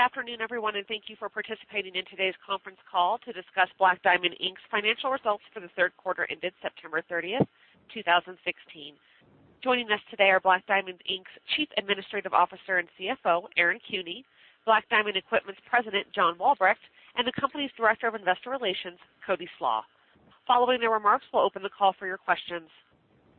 Good afternoon, everyone, and thank you for participating in today's conference call to discuss Black Diamond, Inc.'s financial results for the third quarter ended September 30th, 2016. Joining us today are Black Diamond, Inc.'s Chief Administrative Officer and CFO, Aaron Cooney, Black Diamond Equipment's President, John Walbrecht, and the company's Director of Investor Relations, Cody Slach. Following their remarks, we'll open the call for your questions.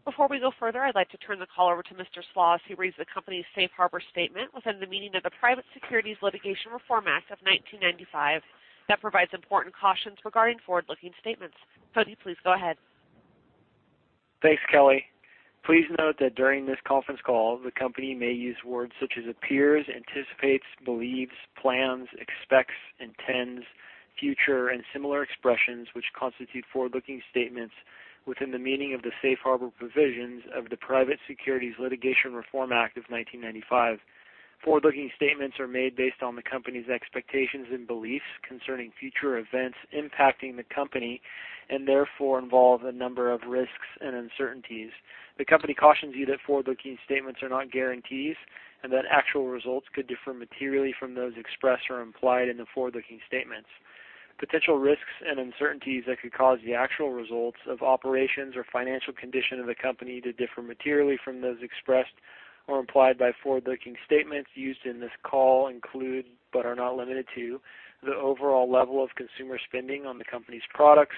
Before we go further, I'd like to turn the call over to Mr. Slach, who reads the company's safe harbor statement within the meaning of the Private Securities Litigation Reform Act of 1995, that provides important cautions regarding forward-looking statements. Cody, please go ahead. Thanks, Kelly. Please note that during this conference call, the company may use words such as appears, anticipates, believes, plans, expects, intends, future, and similar expressions, which constitute forward-looking statements within the meaning of the safe harbor provisions of the Private Securities Litigation Reform Act of 1995. Forward-looking statements are made based on the company's expectations and beliefs concerning future events impacting the company, and therefore involve a number of risks and uncertainties. The company cautions you that forward-looking statements are not guarantees, and that actual results could differ materially from those expressed or implied in the forward-looking statements. Potential risks and uncertainties that could cause the actual results of operations or financial condition of the company to differ materially from those expressed or implied by forward-looking statements used in this call include, but are not limited to, the overall level of consumer spending on the company's products,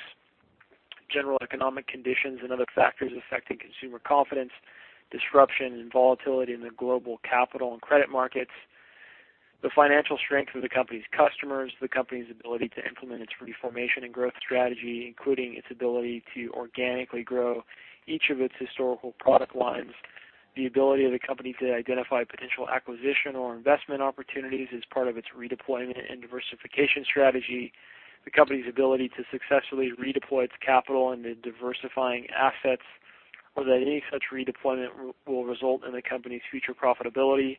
general economic conditions and other factors affecting consumer confidence, disruption and volatility in the global capital and credit markets. The financial strength of the company's customers, the company's ability to implement its reformation and growth strategy, including its ability to organically grow each of its historical product lines, the ability of the company to identify potential acquisition or investment opportunities as part of its redeployment and diversification strategy, the company's ability to successfully redeploy its capital into diversifying assets, or that any such redeployment will result in the company's future profitability,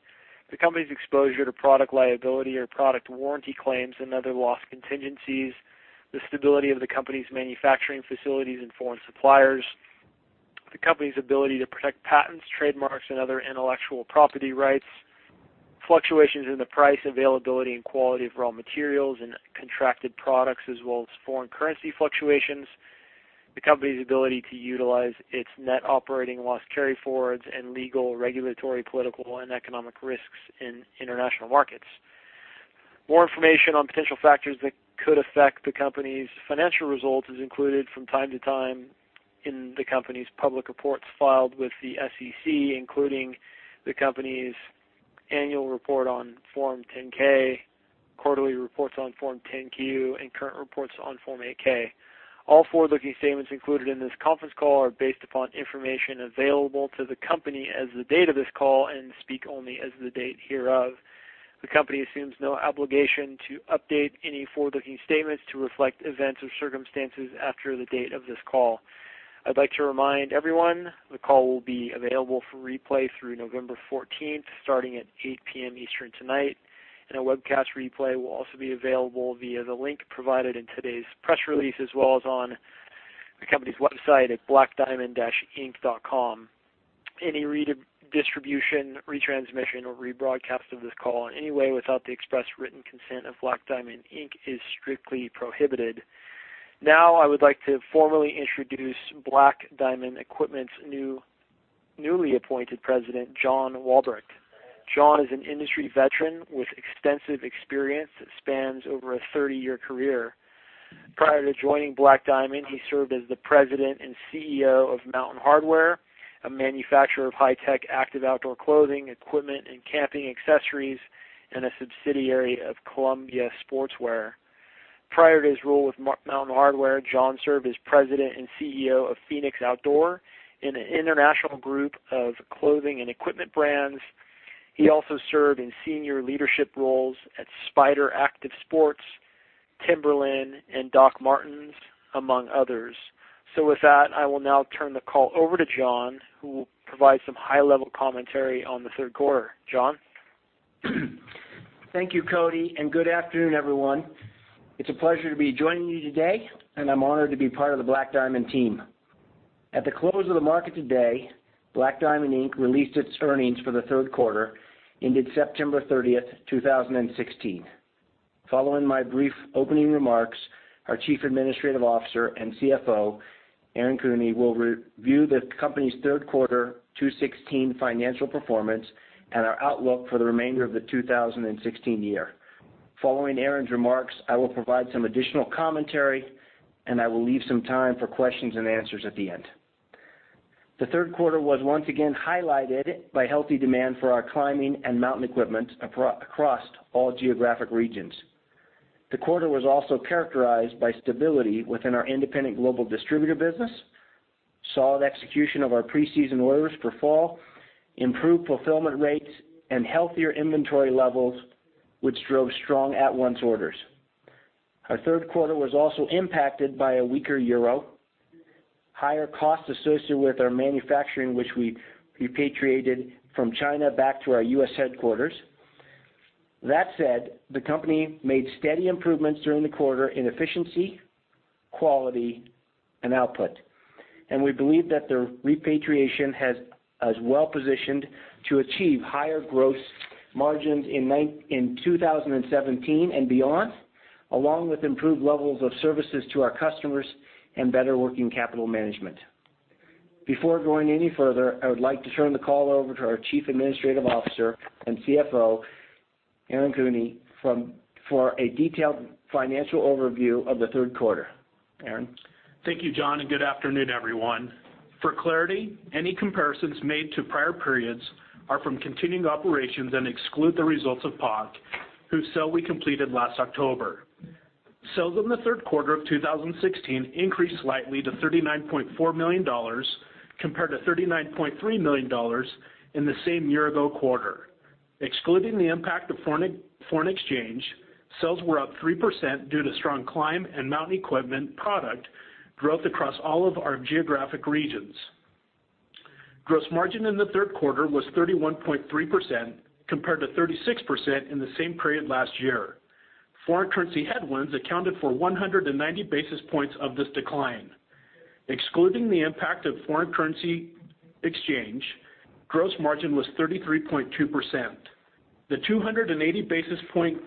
the company's exposure to product liability or product warranty claims and other loss contingencies. The stability of the company's manufacturing facilities and foreign suppliers, the company's ability to protect patents, trademarks, and other intellectual property rights, fluctuations in the price, availability, and quality of raw materials and contracted products, as well as foreign currency fluctuations, the company's ability to utilize its net operating loss carryforwards and legal, regulatory, political, and economic risks in international markets. More information on potential factors that could affect the company's financial results is included from time to time in the company's public reports filed with the SEC, including the company's annual report on Form 10-K, quarterly reports on Form 10-Q, and current reports on Form 8-K. All forward-looking statements included in this conference call are based upon information available to the company as the date of this call and speak only as the date hereof. The company assumes no obligation to update any forward-looking statements to reflect events or circumstances after the date of this call. I'd like to remind everyone, the call will be available for replay through November 14th, starting at 8:00 P.M. Eastern tonight, and a webcast replay will also be available via the link provided in today's press release, as well as on the company's website at blackdiamond-inc.com. Any redistribution, retransmission, or rebroadcast of this call in any way without the express written consent of Black Diamond, Inc. is strictly prohibited. I would like to formally introduce Black Diamond Equipment's newly appointed President, John Walbrecht. John is an industry veteran with extensive experience that spans over a 30-year career. Prior to joining Black Diamond, he served as the President and CEO of Mountain Hardwear, a manufacturer of high-tech, active outdoor clothing, equipment, and camping accessories, and a subsidiary of Columbia Sportswear. Prior to his role with Mountain Hardwear, John served as President and CEO of Fenix Outdoor in an international group of clothing and equipment brands. He also served in senior leadership roles at Spyder Active Sports, Timberland, and Dr. Martens, among others. With that, I will now turn the call over to John, who will provide some high-level commentary on the third quarter. John? Thank you, Cody. Good afternoon, everyone. It's a pleasure to be joining you today, and I'm honored to be part of the Black Diamond team. At the close of the market today, Black Diamond, Inc. released its earnings for the third quarter, ended September 30, 2016. Following my brief opening remarks, our Chief Administrative Officer and CFO, Aaron Cooney, will review the company's third quarter 2016 financial performance and our outlook for the remainder of the 2016 year. Following Aaron's remarks, I will provide some additional commentary, and I will leave some time for questions and answers at the end. The third quarter was once again highlighted by healthy demand for our climbing and mountain equipment across all geographic regions. The quarter was also characterized by stability within our independent global distributor business, solid execution of our pre-season orders for fall, improved fulfillment rates, and healthier inventory levels, which drove strong at-once orders. Our third quarter was also impacted by a weaker EUR, higher costs associated with our manufacturing, which we repatriated from China back to our U.S. headquarters. That said, the company made steady improvements during the quarter in efficiency, quality, and output. We believe that the repatriation has us well-positioned to achieve higher gross margins in 2017 and beyond, along with improved levels of services to our customers and better working capital management. Before going any further, I would like to turn the call over to our Chief Administrative Officer and CFO, Aaron Cooney, for a detailed financial overview of the third quarter. Aaron? Thank you, John. Good afternoon, everyone. For clarity, any comparisons made to prior periods are from continuing operations and exclude the results of POC, whose sale we completed last October. Sales in the third quarter of 2016 increased slightly to $39.4 million, compared to $39.3 million in the same year-ago quarter. Excluding the impact of foreign exchange, sales were up 3% due to strong climb and mountain equipment product growth across all of our geographic regions. Gross margin in the third quarter was 31.3%, compared to 36% in the same period last year. Foreign currency headwinds accounted for 190 basis points of this decline. Excluding the impact of foreign currency exchange, gross margin was 33.2%. The 280 basis point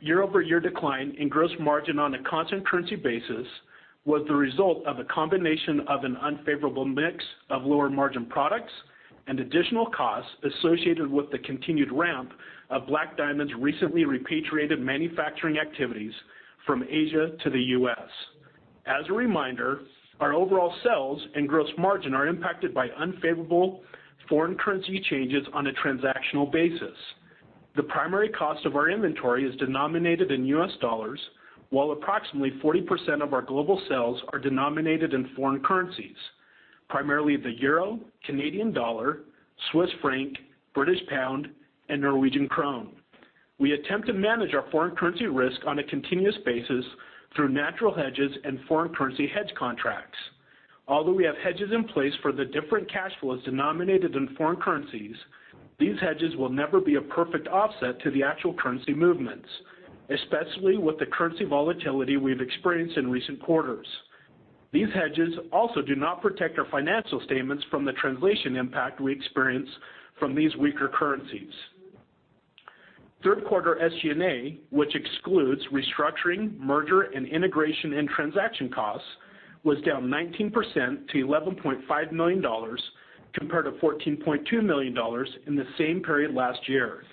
year-over-year decline in gross margin on a constant currency basis was the result of a combination of an unfavorable mix of lower margin products and additional costs associated with the continued ramp of Black Diamond's recently repatriated manufacturing activities from Asia to the U.S. As a reminder, our overall sales and gross margin are impacted by unfavorable foreign currency changes on a transactional basis. The primary cost of our inventory is denominated in U.S. dollars, while approximately 40% of our global sales are denominated in foreign currencies, primarily the euro, Canadian dollar, Swiss franc, British pound, and Norwegian krone. We attempt to manage our foreign currency risk on a continuous basis through natural hedges and foreign currency hedge contracts. Although we have hedges in place for the different cash flows denominated in foreign currencies, these hedges will never be a perfect offset to the actual currency movements, especially with the currency volatility we've experienced in recent quarters. These hedges also do not protect our financial statements from the translation impact we experience from these weaker currencies. Third quarter SG&A, which excludes restructuring, merger and integration, and transaction costs, was down 19% to $11.5 million, compared to $14.2 million in the same period last year.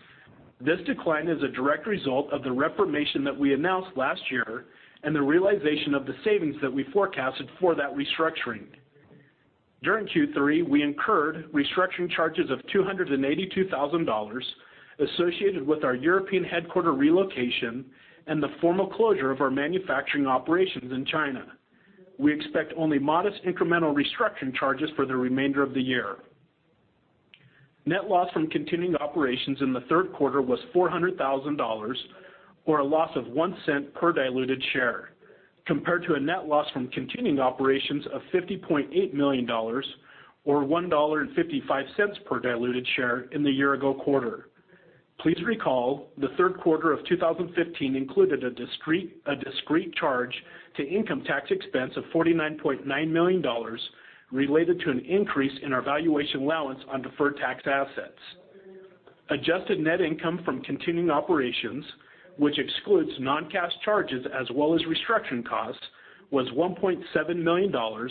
This decline is a direct result of the reformation that we announced last year and the realization of the savings that we forecasted for that restructuring. During Q3, we incurred restructuring charges of $282,000 associated with our European headquarter relocation and the formal closure of our manufacturing operations in China. We expect only modest incremental restructuring charges for the remainder of the year. Net loss from continuing operations in the third quarter was $400,000, or a loss of $0.01 per diluted share, compared to a net loss from continuing operations of $50.8 million, or $1.55 per diluted share in the year-ago quarter. Please recall the third quarter of 2015 included a discrete charge to income tax expense of $49.9 million related to an increase in our valuation allowance on deferred tax assets. Adjusted net income from continuing operations, which excludes non-cash charges as well as restructuring costs, was $1.7 million, or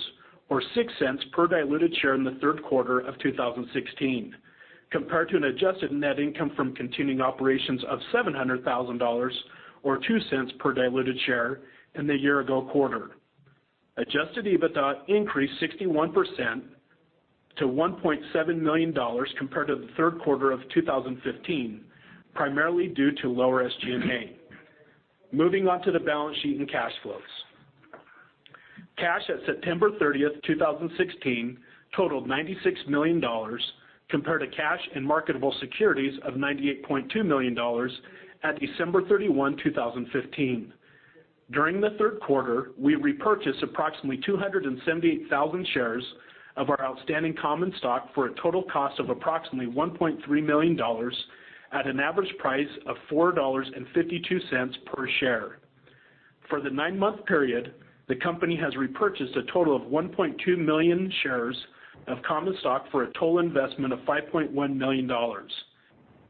$0.06 per diluted share in the third quarter of 2016, compared to an adjusted net income from continuing operations of $700,000, or $0.02 per diluted share, in the year-ago quarter. Adjusted EBITDA increased 61% to $1.7 million compared to the third quarter of 2015, primarily due to lower SG&A. Moving on to the balance sheet and cash flows. Cash at September 30th, 2016 totaled $96 million, compared to cash and marketable securities of $98.2 million at December 31, 2015. During the third quarter, we repurchased approximately 278,000 shares of our outstanding common stock for a total cost of approximately $1.3 million, at an average price of $4.52 per share. For the nine-month period, the company has repurchased a total of 1.2 million shares of common stock for a total investment of $5.1 million.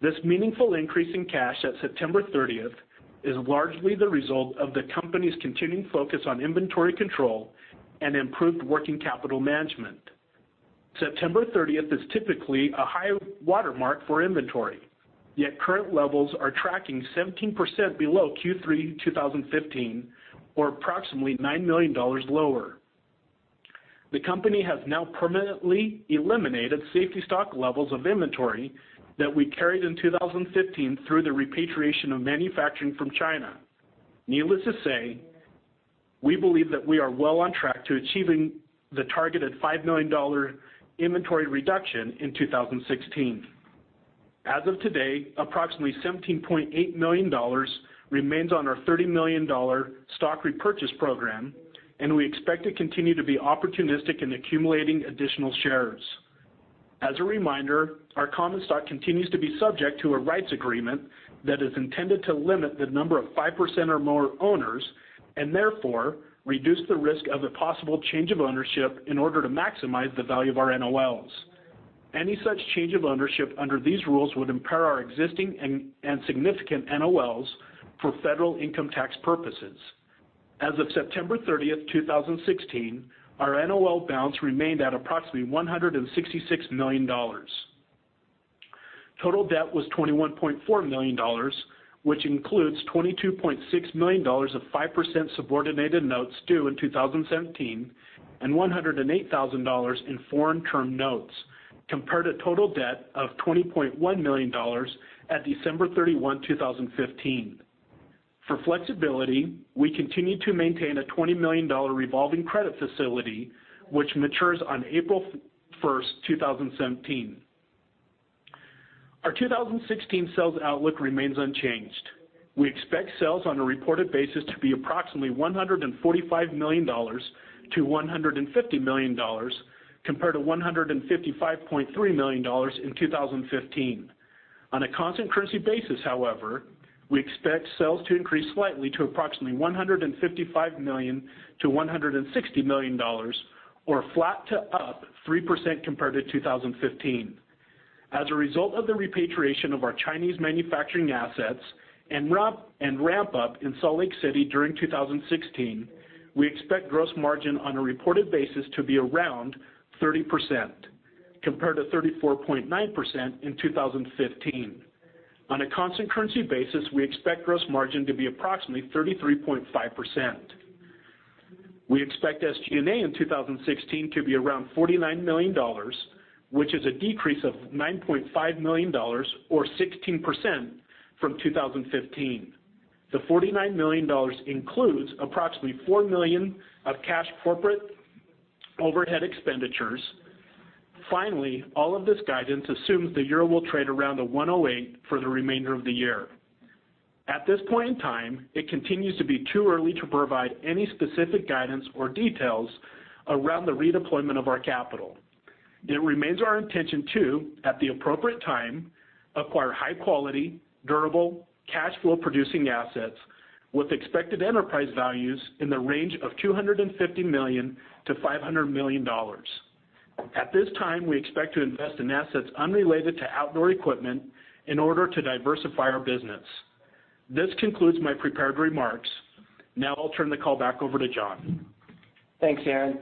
This meaningful increase in cash at September 30th is largely the result of the company's continuing focus on inventory control and improved working capital management. September 30th is typically a high watermark for inventory, yet current levels are tracking 17% below Q3 2015, or approximately $9 million lower. The company has now permanently eliminated safety stock levels of inventory that we carried in 2015 through the repatriation of manufacturing from China. Needless to say, we believe that we are well on track to achieving the targeted $5 million inventory reduction in 2016. As of today, approximately $17.8 million remains on our $30 million stock repurchase program, and we expect to continue to be opportunistic in accumulating additional shares. As a reminder, our common stock continues to be subject to a rights agreement that is intended to limit the number of 5% or more owners, and therefore reduce the risk of a possible change of ownership in order to maximize the value of our NOLs. Any such change of ownership under these rules would impair our existing and significant NOLs for federal income tax purposes. As of September 30th, 2016, our NOL balance remained at approximately $166 million. Total debt was $21.4 million, which includes $22.6 million of 5% subordinated notes due in 2017 and $108,000 in foreign term notes, compared to total debt of $20.1 million at December 31, 2015. For flexibility, we continue to maintain a $20 million revolving credit facility, which matures on April 1st, 2017. Our 2016 sales outlook remains unchanged. We expect sales on a reported basis to be approximately $145 million-$150 million, compared to $155.3 million in 2015. On a constant currency basis, however, we expect sales to increase slightly to approximately $155 million-$160 million or flat to up 3% compared to 2015. As a result of the repatriation of our Chinese manufacturing assets and ramp-up in Salt Lake City during 2016, we expect gross margin on a reported basis to be around 30%, compared to 34.9% in 2015. On a constant currency basis, we expect gross margin to be approximately 33.5%. We expect SG&A in 2016 to be around $49 million, which is a decrease of $9.5 million or 16% from 2015. The $49 million includes approximately $4 million of cash corporate overhead expenditures. Finally, all of this guidance assumes the Euro will trade around the 108 for the remainder of the year. At this point in time, it continues to be too early to provide any specific guidance or details around the redeployment of our capital. It remains our intention to, at the appropriate time, acquire high-quality, durable, cashflow-producing assets with expected enterprise values in the range of $250 million to $500 million. At this time, we expect to invest in assets unrelated to outdoor equipment in order to diversify our business. This concludes my prepared remarks. Now I'll turn the call back over to John. Thanks, Aaron.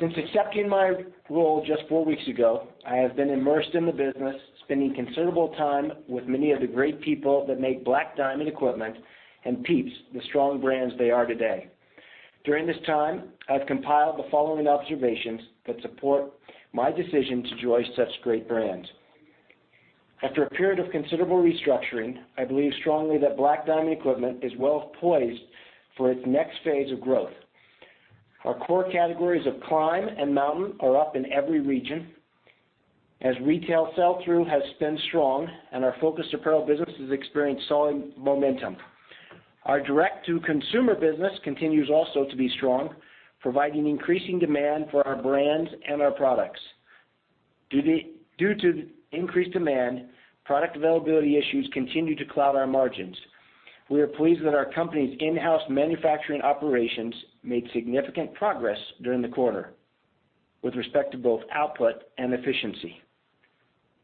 Since accepting my role just four weeks ago, I have been immersed in the business, spending considerable time with many of the great people that make Black Diamond Equipment and Pieps the strong brands they are today. During this time, I've compiled the following observations that support my decision to join such great brands. After a period of considerable restructuring, I believe strongly that Black Diamond Equipment is well-poised for its next phase of growth. Our core categories of climb and mountain are up in every region as retail sell-through has been strong and our focused apparel business has experienced solid momentum. Our direct-to-consumer business continues also to be strong, providing increasing demand for our brands and our products. Due to increased demand, product availability issues continue to cloud our margins. We are pleased that our company's in-house manufacturing operations made significant progress during the quarter with respect to both output and efficiency.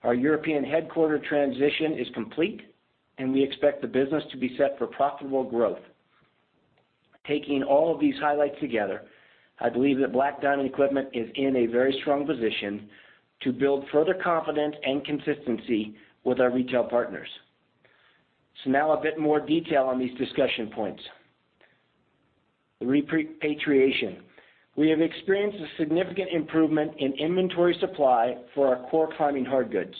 Our European headquarters transition is complete, and we expect the business to be set for profitable growth. Taking all of these highlights together, I believe that Black Diamond Equipment is in a very strong position to build further confidence and consistency with our retail partners. Now a bit more detail on these discussion points. The repatriation. We have experienced a significant improvement in inventory supply for our core climbing hardgoods.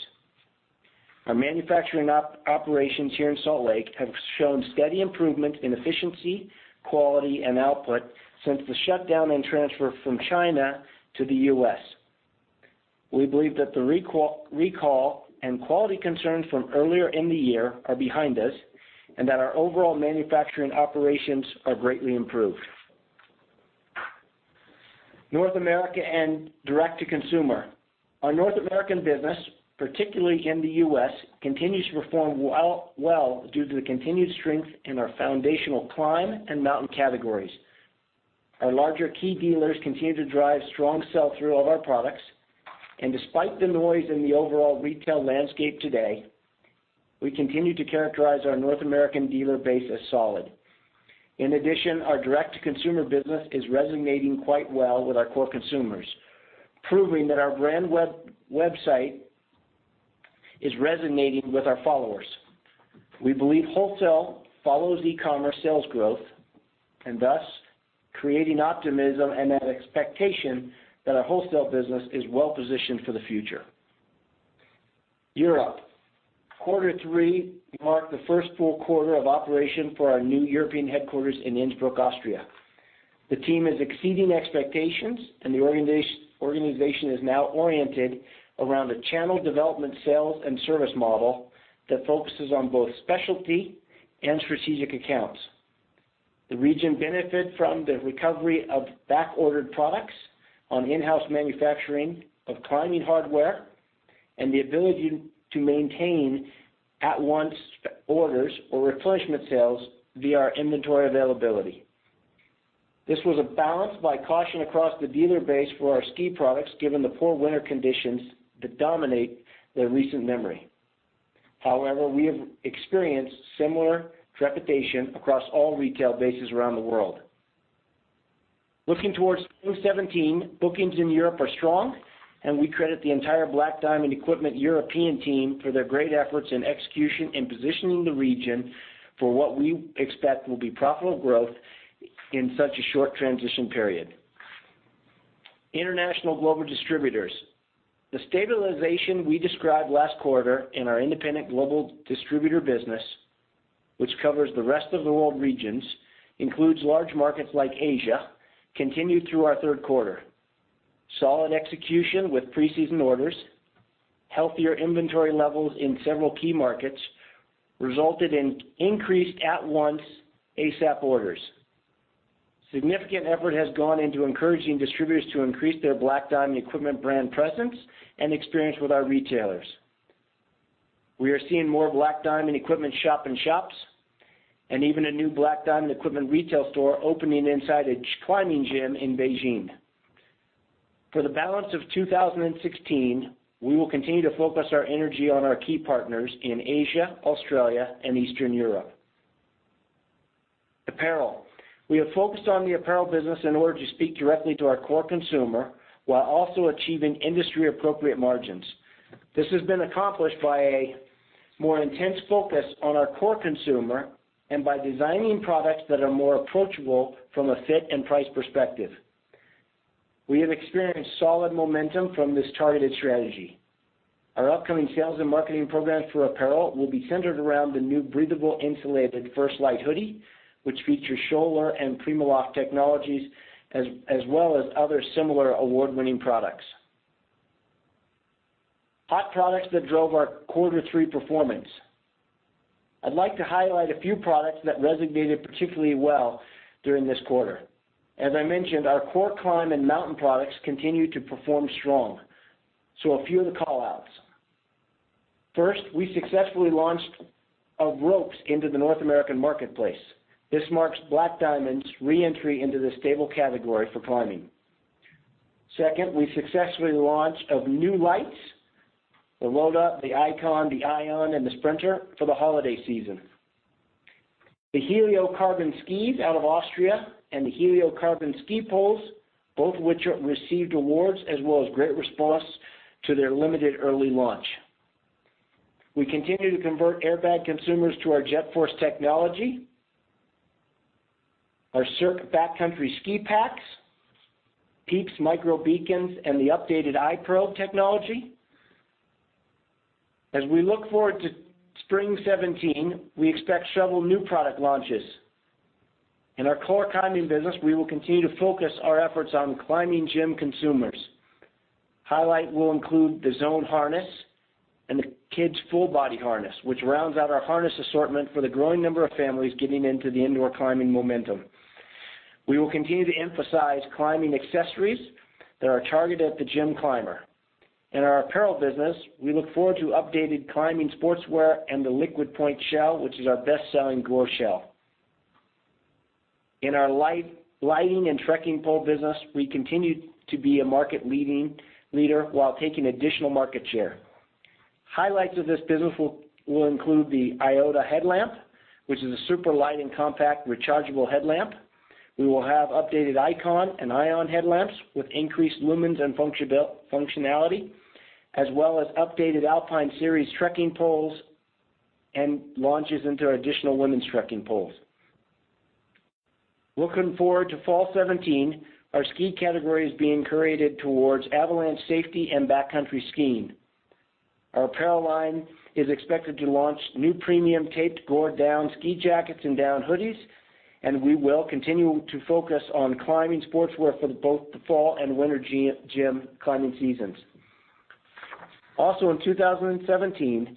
Our manufacturing operations here in Salt Lake have shown steady improvement in efficiency, quality, and output since the shutdown and transfer from China to the U.S. We believe that the recall and quality concerns from earlier in the year are behind us and that our overall manufacturing operations are greatly improved. North America and direct-to-consumer. Our North American business, particularly in the U.S., continues to perform well due to the continued strength in our foundational climb and mountain categories. Our larger key dealers continue to drive strong sell-through of our products. Despite the noise in the overall retail landscape today, we continue to characterize our North American dealer base as solid. In addition, our direct-to-consumer business is resonating quite well with our core consumers, proving that our brand website is resonating with our followers. We believe wholesale follows e-commerce sales growth, thus creating optimism and an expectation that our wholesale business is well-positioned for the future. Europe. Quarter three marked the first full quarter of operation for our new European headquarters in Innsbruck, Austria. The team is exceeding expectations, and the organization is now oriented around a channel development sales and service model that focuses on both specialty and strategic accounts. The region benefited from the recovery of back-ordered products on in-house manufacturing of climbing hardware, and the ability to maintain at-once orders or replenishment sales via our inventory availability. This was balanced by caution across the dealer base for our ski products, given the poor winter conditions that dominate their recent memory. However, we have experienced similar trepidation across all retail bases around the world. Looking towards Q1 '17, bookings in Europe are strong, and we credit the entire Black Diamond Equipment European team for their great efforts in execution, in positioning the region for what we expect will be profitable growth in such a short transition period. International global distributors. The stabilization we described last quarter in our independent global distributor business, which covers the rest of the world regions, includes large markets like Asia, continued through our third quarter. Solid execution with pre-season orders, healthier inventory levels in several key markets, resulted in increased at-once ASAP orders. Significant effort has gone into encouraging distributors to increase their Black Diamond Equipment brand presence and experience with our retailers. We are seeing more Black Diamond Equipment shop-in-shops, and even a new Black Diamond Equipment retail store opening inside a climbing gym in Beijing. For the balance of 2016, we will continue to focus our energy on our key partners in Asia, Australia, and Eastern Europe. Apparel. We have focused on the apparel business in order to speak directly to our core consumer while also achieving industry-appropriate margins. This has been accomplished by a more intense focus on our core consumer and by designing products that are more approachable from a fit and price perspective. We have experienced solid momentum from this targeted strategy. Our upcoming sales and marketing programs for apparel will be centered around the new breathable insulated First Light Hoody, which features Schoeller and PrimaLoft technologies, as well as other similar award-winning products. Hot products that drove our Q3 performance. I'd like to highlight a few products that resonated particularly well during this quarter. As I mentioned, our core climb and mountain products continued to perform strong. A few of the call-outs. First, we successfully launched ropes into the North American marketplace. This marks Black Diamond's re-entry into this stable category for climbing. Second, we successfully launched new lights, the Load Up, the Icon, the Ion, and the Sprinter for the holiday season. The Helio Carbon skis out of Austria and the Helio Carbon ski poles, both of which received awards as well as great response to their limited early launch. We continue to convert airbag consumers to our JetForce technology. Our Cirque backcountry ski packs, Pieps micro beacons, and the updated iProbe technology. As we look forward to spring 2017, we expect several new product launches. In our core climbing business, we will continue to focus our efforts on climbing gym consumers. Highlight will include the Zone Harness and the kids' Full Body Harness, which rounds out our harness assortment for the growing number of families getting into the indoor climbing momentum. We will continue to emphasize climbing accessories that are targeted at the gym climber. In our apparel business, we look forward to updated climbing sportswear and the Liquid Point Shell, which is our best-selling Gore shell. In our lighting and trekking pole business, we continue to be a market leader while taking additional market share. Highlights of this business will include the Iota headlamp, which is a super light and compact rechargeable headlamp. We will have updated Icon and Ion headlamps with increased lumens and functionality, as well as updated Alpine Series trekking poles and launches into additional women's trekking poles. Looking forward to fall 2017, our ski category is being curated towards avalanche safety and backcountry skiing. Our apparel line is expected to launch new premium taped Gore down ski jackets and down hoodies, and we will continue to focus on climbing sportswear for both the fall and winter gym climbing seasons. Also in 2017,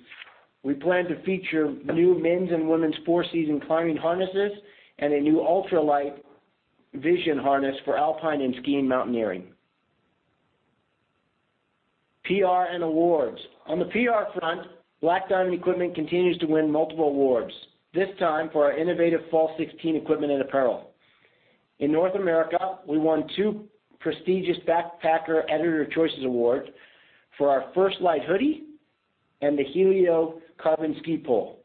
we plan to feature new men's and women's four-season climbing harnesses and a new ultralight Vision Harness for alpine and skiing mountaineering. PR and awards. On the PR front, Black Diamond Equipment continues to win multiple awards, this time for our innovative fall 2016 equipment and apparel. In North America, we won two prestigious Backpacker Editor's Choice Awards for our First Light Hoody and the Helio Carbon Ski Pole.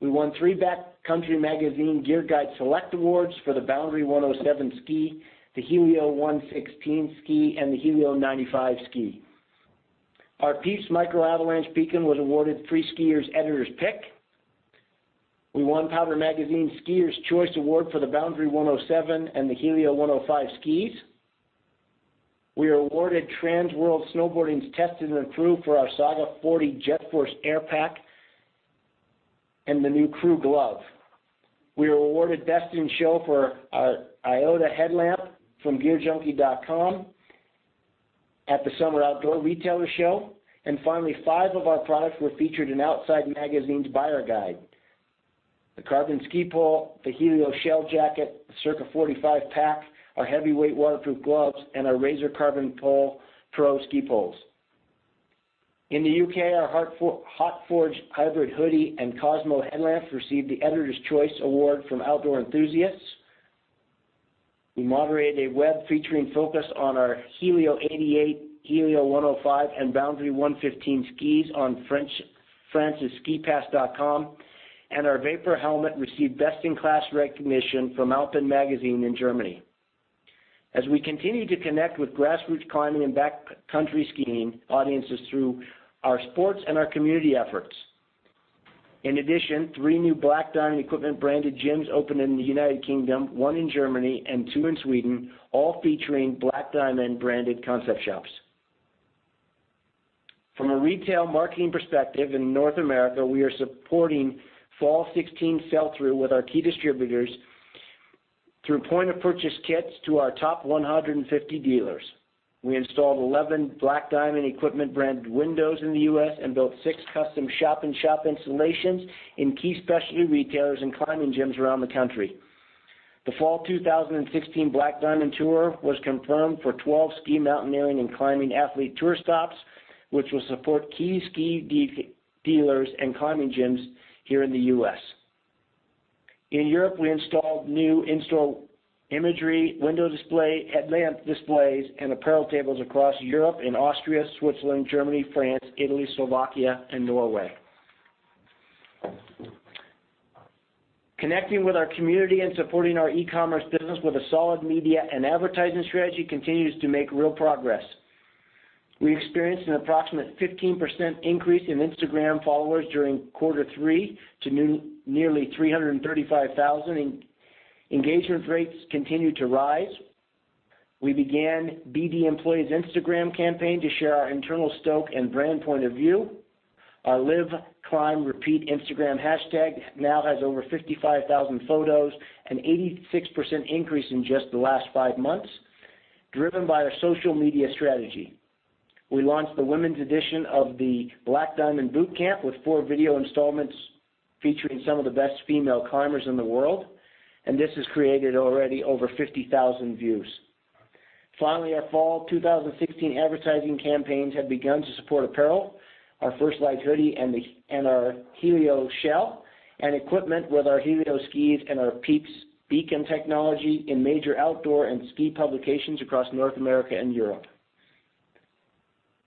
We won three Backcountry Magazine Gear Guide Select Awards for the Boundary 107 ski, the Helio 116 ski and the Helio 95 ski. Our Pieps micro avalanche beacon was awarded Freeskier's Editors' Pick. We won Powder Magazine Skiers' Choice Award for the Boundary 107 and the Helio 105 skis. We are awarded Transworld Snowboarding's Tested and Approved for our Saga 40 JetForce Airbag Pack and the new Crew glove. We were awarded Best in Show for our Iota headlamp from gearjunkie.com at the Outdoor Retailer Summer Market show. Finally, five of our products were featured in Outside Magazine's buyer guide. The Helio Carbon Ski Pole, the Helio Shell Jacket, the Cirque 45 Pack, our heavyweight waterproof gloves, and our Razor Carbon Pro Ski Poles. In the U.K., our Hotforge Hybrid Hoody and Cosmo Headlamp received the Editor's Choice Award from Outdoor Enthusiasts. We moderated a web featuring focus on our Helio 88, Helio 105, and Boundary 115 skis on France's skipass.com, and our Vapor received Best in Class recognition from Alpin Magazin in Germany. We continue to connect with grassroots climbing and backcountry skiing audiences through our sports and our community efforts. In addition, three new Black Diamond Equipment branded gyms opened in the United Kingdom, one in Germany and two in Sweden, all featuring Black Diamond branded concept shops. From a retail marketing perspective in North America, we are supporting fall 2016 sell-through with our key distributors through point-of-purchase kits to our top 150 dealers. We installed 11 Black Diamond Equipment windows in the U.S. and built six custom shop-in-shop installations in key specialty retailers and climbing gyms around the country. The fall 2016 Black Diamond Tour was confirmed for 12 ski mountaineering and climbing athlete tour stops, which will support key ski dealers and climbing gyms here in the U.S. In Europe, we installed new imagery, window display, headlamp displays, and apparel tables across Europe in Austria, Switzerland, Germany, France, Italy, Slovakia, and Norway. Connecting with our community and supporting our e-commerce business with a solid media and advertising strategy continues to make real progress. We experienced an approximate 15% increase in Instagram followers during Q3 to nearly 335,000. Engagement rates continue to rise. We began BD employees' Instagram campaign to share our internal stoke and brand point of view. Our Live Climb Repeat Instagram hashtag now has over 55,000 photos, an 86% increase in just the last five months, driven by our social media strategy. We launched the women's edition of the Black Diamond Bootcamp with four video installments featuring some of the best female climbers in the world. This has created already over 50,000 views. Finally, our fall 2016 advertising campaigns have begun to support apparel, our First Light Hoody and our Helio Shell, and equipment with our Helio skis and our Pieps beacon technology in major outdoor and ski publications across North America and Europe.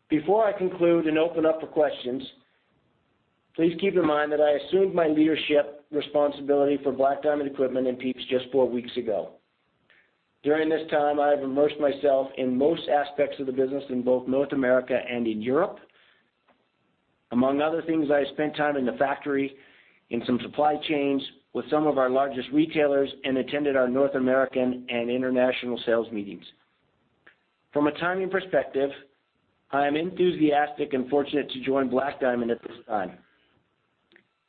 Before I conclude and open up for questions, please keep in mind that I assumed my leadership responsibility for Black Diamond Equipment and Pieps just four weeks ago. During this time, I've immersed myself in most aspects of the business in both North America and in Europe. Among other things, I spent time in the factory, in some supply chains, with some of our largest retailers, and attended our North American and international sales meetings. From a timing perspective, I am enthusiastic and fortunate to join Black Diamond at this time.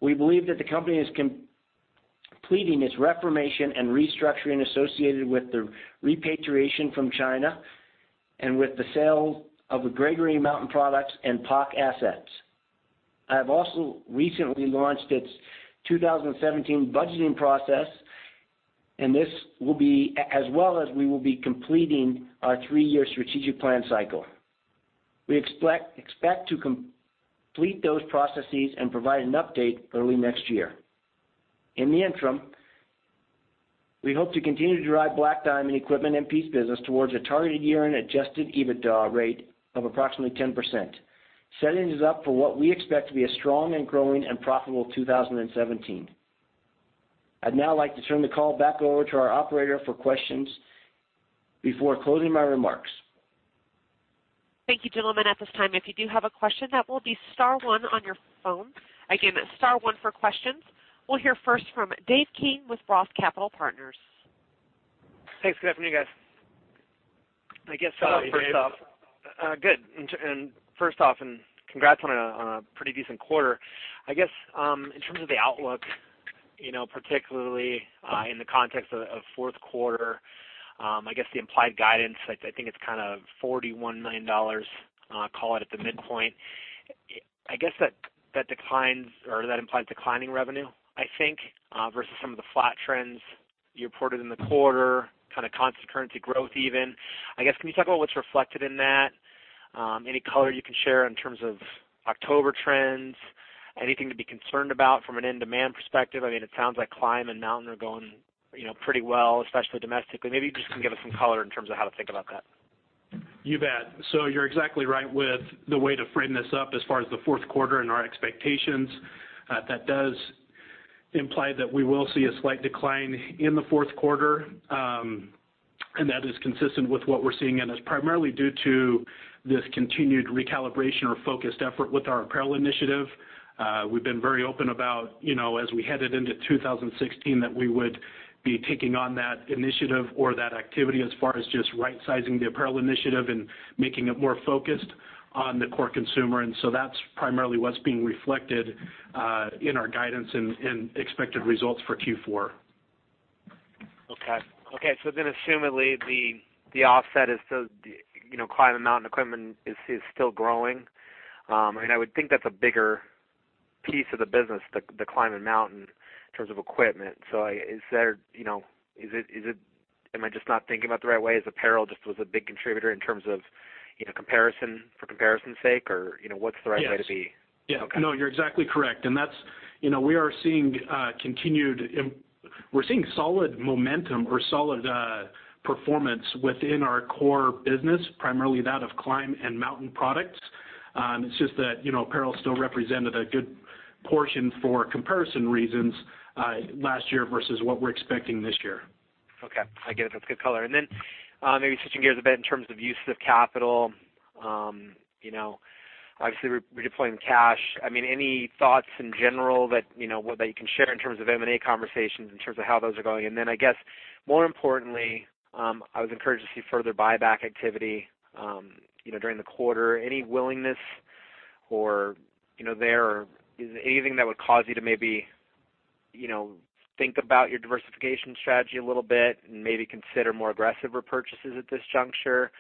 We believe that the company is completing its reformation and restructuring associated with the repatriation from China and with the sale of the Gregory Mountain Products and POC assets. I have also recently launched its 2017 budgeting process, as well as we will be completing our three-year strategic plan cycle. We expect to complete those processes and provide an update early next year. In the interim, we hope to continue to drive Black Diamond Equipment and Pieps business towards a targeted year and adjusted EBITDA rate of approximately 10%, setting us up for what we expect to be a strong and growing and profitable 2017. I'd now like to turn the call back over to our operator for questions before closing my remarks. Thank you, gentlemen. At this time, if you do have a question, that will be star one on your phone. Again, star one for questions. We'll hear first from Dave King with ROTH Capital Partners. Thanks. Good afternoon, guys. What's up, Dave? Good. First off, congrats on a pretty decent quarter. In terms of the outlook, particularly in the context of fourth quarter, the implied guidance, I think it's $41 million, call it, at the midpoint. That implies declining revenue, I think, versus some of the flat trends you reported in the quarter, kind of constant currency growth even. Can you talk about what's reflected in that? Any color you can share in terms of October trends? Anything to be concerned about from an end demand perspective? It sounds like Climb and Mountain are going pretty well, especially domestically. Maybe you just can give us some color in terms of how to think about that. You bet. You're exactly right with the way to frame this up as far as the fourth quarter and our expectations. That does imply that we will see a slight decline in the fourth quarter, and that is consistent with what we're seeing, and it's primarily due to this continued recalibration or focused effort with our apparel initiative. We've been very open about, as we headed into 2016, that we would be taking on that initiative or that activity as far as just right-sizing the apparel initiative and making it more focused on the core consumer. That's primarily what's being reflected in our guidance and expected results for Q4. Okay. Assumedly, the offset is still Climb and Mountain equipment is still growing. I would think that's a bigger piece of the business, the Climb and Mountain, in terms of equipment. Am I just not thinking about it the right way? Is apparel just was a big contributor in terms of, for comparison's sake, or what's the right way to be- Yes. Okay. You're exactly correct. We're seeing solid momentum or solid performance within our core business, primarily that of Climb and Mountain products. It's just that apparel still represented a good portion for comparison reasons, last year versus what we're expecting this year. Okay. I get it. That's good color. Maybe switching gears a bit in terms of use of capital. Obviously, redeploying the cash. Any thoughts in general that you can share in terms of M&A conversations, in terms of how those are going? I guess more importantly, I was encouraged to see further buyback activity during the quarter. Any willingness there or is there anything that would cause you to maybe think about your diversification strategy a little bit and maybe consider more aggressive repurchases at this juncture?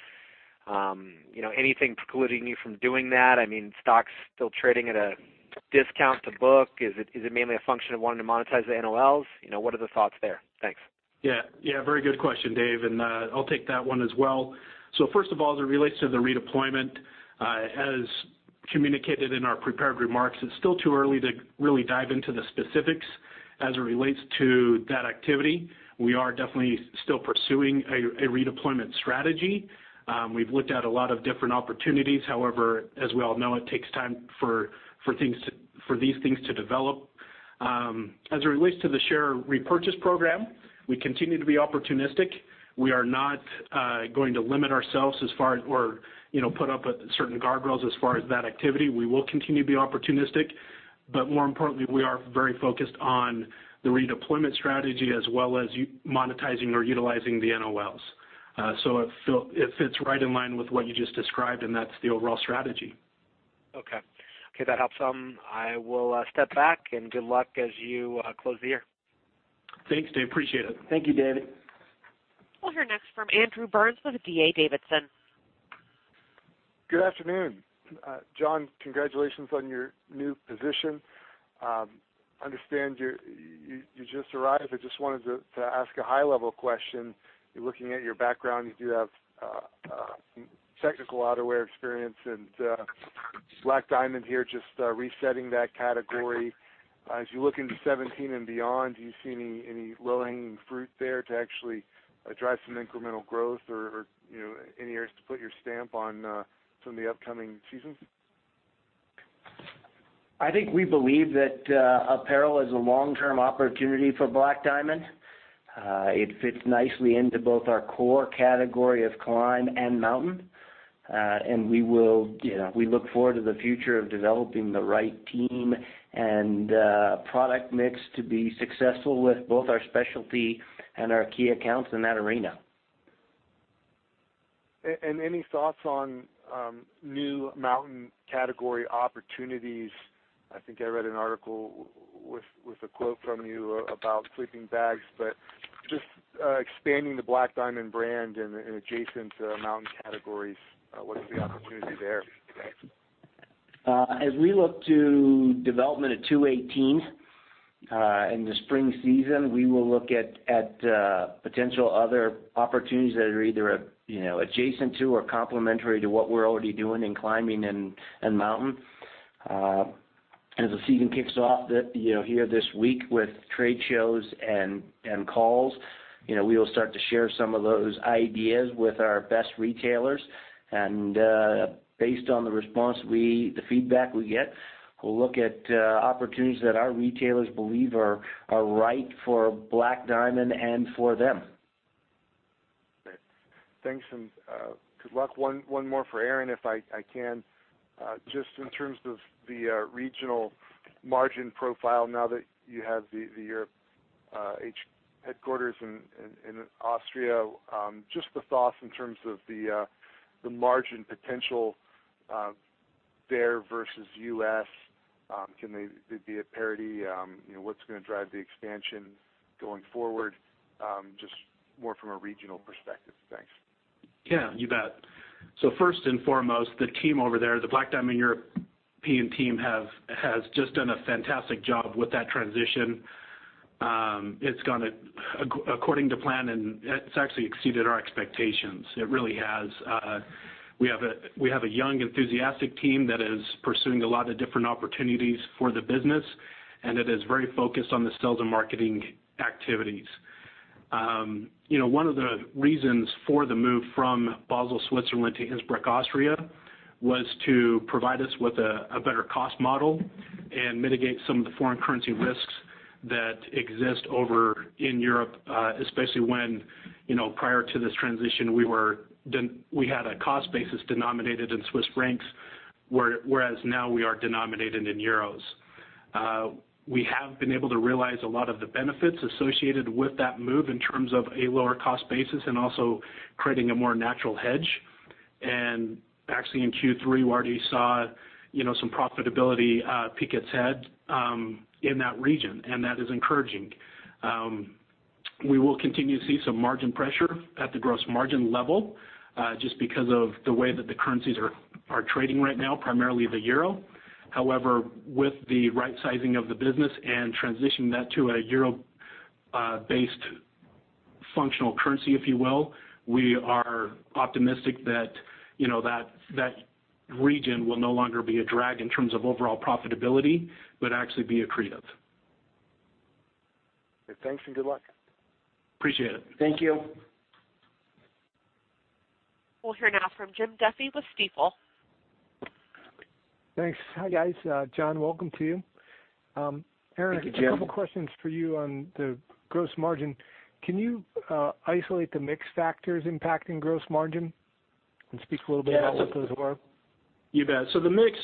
Anything precluding you from doing that? Stock's still trading at a discount to book. Is it mainly a function of wanting to monetize the NOLs? What are the thoughts there? Thanks. Yeah. Very good question, Dave, and I'll take that one as well. First of all, as it relates to the redeployment, as communicated in our prepared remarks, it's still too early to really dive into the specifics as it relates to that activity. We are definitely still pursuing a redeployment strategy. We've looked at a lot of different opportunities. However, as we all know, it takes time for these things to develop. As it relates to the share repurchase program, we continue to be opportunistic. We are not going to limit ourselves or put up certain guardrails as far as that activity. We will continue to be opportunistic, but more importantly, we are very focused on the redeployment strategy as well as monetizing or utilizing the NOLs. It fits right in line with what you just described, and that's the overall strategy. Okay. That helps some. I will step back and good luck as you close the year. Thanks, Dave. Appreciate it. Thank you, Dave. We'll hear next from Andrew Burns with D.A. Davidson. Good afternoon. John, congratulations on your new position. Understand you just arrived. I just wanted to ask a high-level question. Looking at your background, you do have technical outerwear experience, and Black Diamond here, just resetting that category. As you look into 2017 and beyond, do you see any low-hanging fruit there to actually drive some incremental growth or any areas to put your stamp on some of the upcoming seasons? I think we believe that apparel is a long-term opportunity for Black Diamond. It fits nicely into both our core category of Climb and Mountain. We look forward to the future of developing the right team and product mix to be successful with both our specialty and our key accounts in that arena. Any thoughts on new Mountain category opportunities? I think I read an article with a quote from you about sleeping bags. Just expanding the Black Diamond brand in adjacent Mountain categories, what is the opportunity there? As we look to development at 2018, in the spring season, we will look at potential other opportunities that are either adjacent to or complementary to what we're already doing in Climbing and Mountain. As the season kicks off here this week with trade shows and calls, we will start to share some of those ideas with our best retailers. Based on the response, the feedback we get, we'll look at opportunities that our retailers believe are right for Black Diamond and for them. Thanks. Good luck. One more for Aaron, if I can. Just in terms of the regional margin profile now that you have your headquarters in Austria, just the thoughts in terms of the margin potential there versus U.S. Can they be at parity? What's going to drive the expansion going forward? Just more from a regional perspective. Thanks. Yeah, you bet. First and foremost, the team over there, the Black Diamond European team, has just done a fantastic job with that transition. It's gone according to plan, and it's actually exceeded our expectations. It really has. We have a young, enthusiastic team that is pursuing a lot of different opportunities for the business, and it is very focused on the sales and marketing activities. One of the reasons for the move from Basel, Switzerland to Innsbruck, Austria was to provide us with a better cost model and mitigate some of the foreign currency risks that exist over in Europe, especially when, prior to this transition, we had a cost basis denominated in Swiss francs, whereas now we are denominated in euros. We have been able to realize a lot of the benefits associated with that move in terms of a lower cost basis and also creating a more natural hedge. Actually in Q3, we already saw some profitability peek its head in that region, and that is encouraging. We will continue to see some margin pressure at the gross margin level, just because of the way that the currencies are trading right now, primarily the euro. However, with the right sizing of the business and transitioning that to a euro-based functional currency, if you will, we are optimistic that region will no longer be a drag in terms of overall profitability, but actually be accretive. Okay, thanks and good luck. Appreciate it. Thank you. We'll hear now from Jim Duffy with Stifel. Thanks. Hi, guys. John, welcome to you. Thank you, Jim. Aaron, a couple questions for you on the gross margin. Can you isolate the mix factors impacting gross margin, and speak a little bit about what those are? You bet. The mix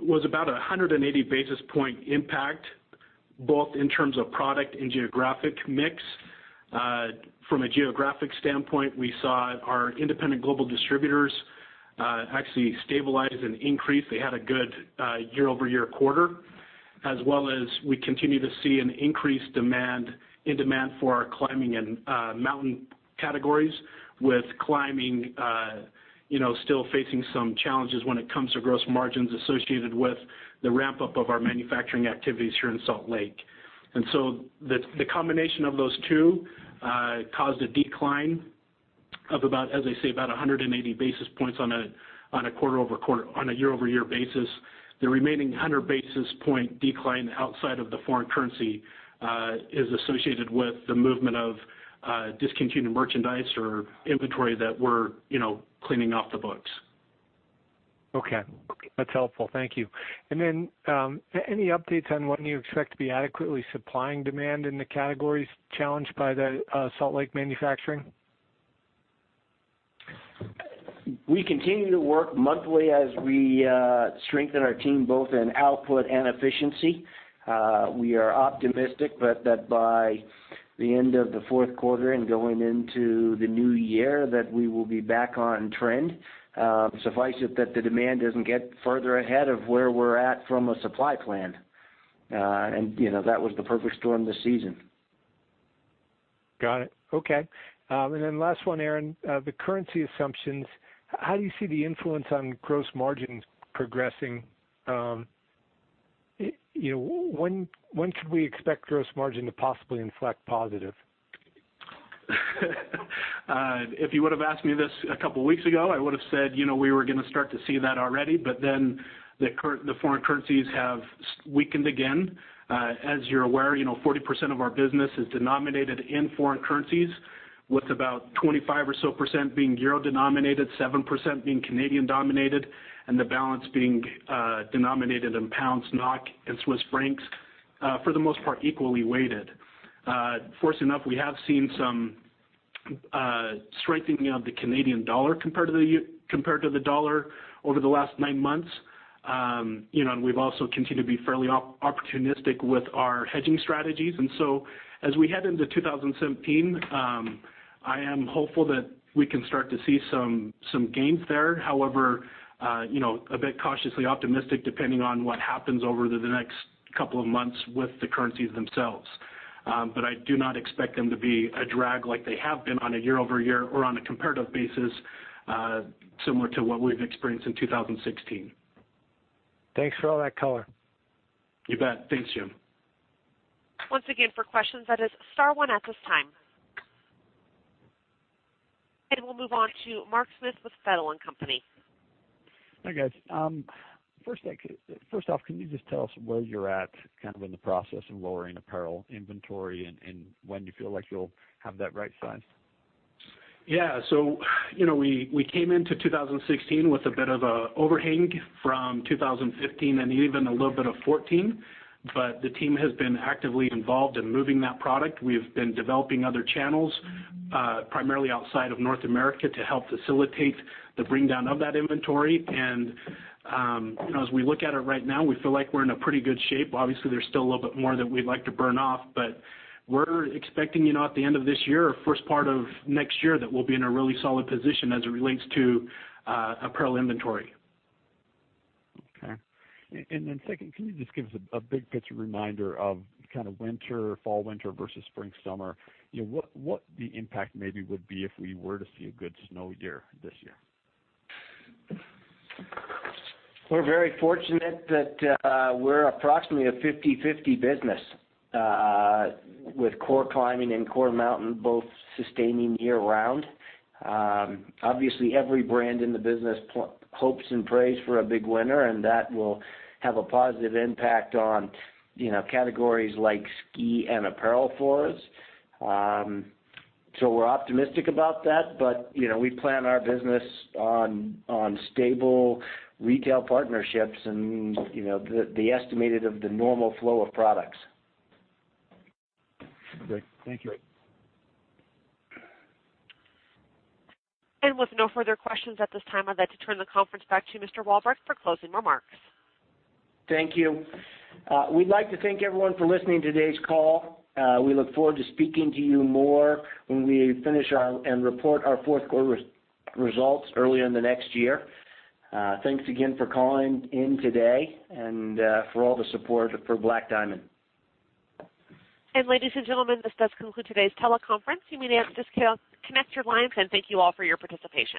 was about 180 basis point impact, both in terms of product and geographic mix. From a geographic standpoint, we saw our independent global distributors actually stabilize and increase. They had a good year-over-year quarter, as well as we continue to see an increased in demand for our climbing and mountain categories, with climbing still facing some challenges when it comes to gross margins associated with the ramp-up of our manufacturing activities here in Salt Lake. The combination of those two caused a decline of about, as I say, about 180 basis points on a year-over-year basis. The remaining 100 basis point decline outside of the foreign currency is associated with the movement of discontinued merchandise or inventory that we're cleaning off the books. Okay. That's helpful. Thank you. Any updates on when you expect to be adequately supplying demand in the categories challenged by the Salt Lake manufacturing? We continue to work monthly as we strengthen our team, both in output and efficiency. We are optimistic that by the end of the fourth quarter and going into the new year, that we will be back on trend, suffice it that the demand doesn't get further ahead of where we're at from a supply plan. That was the perfect storm this season. Got it. Okay. Last one, Aaron, the currency assumptions, how do you see the influence on gross margins progressing? When could we expect gross margin to possibly inflect positive? If you would've asked me this a couple of weeks ago, I would've said we were going to start to see that already, the foreign currencies have weakened again. As you're aware, 40% of our business is denominated in foreign currencies, with about 25% or so being EUR denominated, 7% being CAD denominated, and the balance being denominated in GBP, NOK, and CHF, for the most part, equally weighted. Fortunately enough, we have seen some strengthening of the CAD compared to the USD over the last nine months. We've also continued to be fairly opportunistic with our hedging strategies. As we head into 2017, I am hopeful that we can start to see some gains there. A bit cautiously optimistic depending on what happens over the next couple of months with the currencies themselves. I do not expect them to be a drag like they have been on a year-over-year or on a comparative basis, similar to what we've experienced in 2016. Thanks for all that color. You bet. Thanks, Jim. Once again for questions, that is star one at this time. We'll move on to Mark Smith with Feltl & Company. Hi, guys. First off, can you just tell us where you're at kind of in the process of lowering apparel inventory and when you feel like you'll have that right size? Yeah. We came into 2016 with a bit of a overhang from 2015 and even a little bit of 2014, but the team has been actively involved in moving that product. We’ve been developing other channels, primarily outside of North America to help facilitate the bring down of that inventory. As we look at it right now, we feel like we’re in a pretty good shape. Obviously, there’s still a little bit more that we’d like to burn off, but we’re expecting at the end of this year or first part of next year, that we’ll be in a really solid position as it relates to apparel inventory. Okay. Second, can you just give us a big picture reminder of kind of fall/winter versus spring/summer? What the impact maybe would be if we were to see a good snow year this year? We're very fortunate that we're approximately a 50/50 business, with core climbing and core mountain both sustaining year-round. Obviously, every brand in the business hopes and prays for a big winter, and that will have a positive impact on categories like ski and apparel for us. We're optimistic about that, but we plan our business on stable retail partnerships and the estimated of the normal flow of products. Great. Thank you. With no further questions at this time, I would like to turn the conference back to Mr. Walbrecht for closing remarks. Thank you. We would like to thank everyone for listening to today's call. We look forward to speaking to you more when we finish and report our fourth quarter results early in the next year. Thanks again for calling in today and for all the support for Black Diamond. Ladies and gentlemen, this does conclude today's teleconference. You may disconnect your lines, and thank you all for your participation.